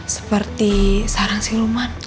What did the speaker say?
seperti sarang siluman